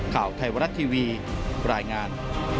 ข่าวไทยรัฐทีวีรายงาน